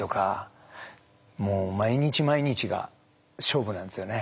もう毎日毎日が勝負なんですよね。